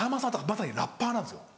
まさにラッパーなんですよ